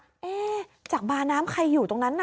เอ๊ะจากบาน้ำใครอยู่ตรงนั้นน่ะ